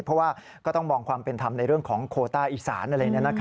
เพราะว่าก็ต้องมองความเป็นธรรมในเรื่องของโคต้าอีสานอะไร